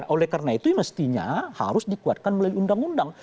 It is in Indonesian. oleh karena itu mestinya harus dikuatkan melalui undang undang